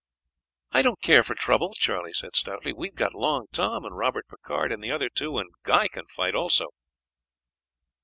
"I don't care for trouble," Charlie said stoutly; "we have got Long Tom and Robert Picard and the other two, and Guy can fight also."